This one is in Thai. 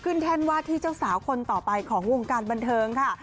แท่นว่าที่เจ้าสาวคนต่อไปของวงการบันเทิงค่ะ